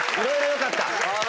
よかった。